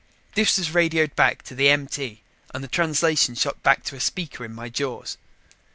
This was radioed back to the MT and the translation shot back to a speaker in my jaws.